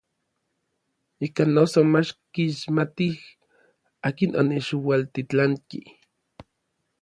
Ikan noso mach kixmatij akin onechualtitlanki.